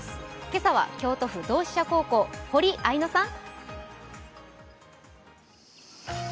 今朝は京都府同志社高校、堀杏陽乃さん。